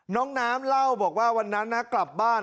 น้องน้ำเล่าบอกว่าวันนั้นนะกลับบ้าน